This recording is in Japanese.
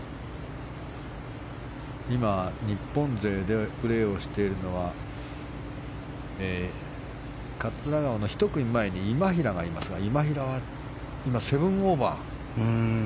今、日本勢でプレーしているのは桂川の１組前に今平がいますが今平は今、７オーバー。